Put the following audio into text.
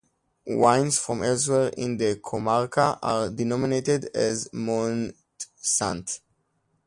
Wines from elsewhere in the comarca are denominated as Montsant.